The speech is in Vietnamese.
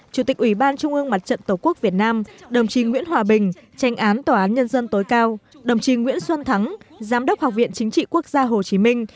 chủ tịch quốc hội nguyễn văn bình tranh án tòa án nhân dân tối cao đồng chí nguyễn xuân thắng giám đốc học viện chính trị quốc gia hồ chí minh